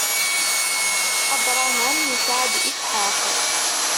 Abṛaham isɛa-d Isḥaq.